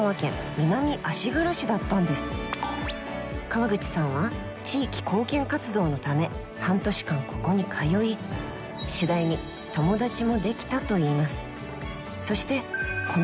川口さんは地域貢献活動のため半年間ここに通い次第に友達もできたといいます。